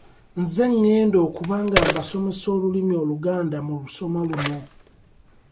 Nze ngenda okuba nga mbasomesa olulimi Oluganda mu lusoma luno.